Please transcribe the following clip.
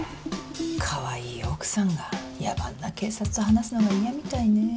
かわいい奥さんが野蛮な警察と話すのが嫌みたいね。